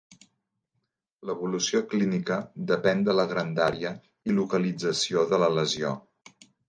L'evolució clínica depèn de la grandària i localització de la lesió.